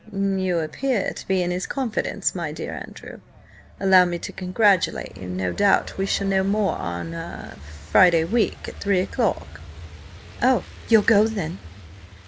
"You appear to be in his confidence, my dear Andrew. Allow me to congratulate you. No doubt we shall know more–ah–on Friday week, at three o'clock." "Oh, you'll go, then?"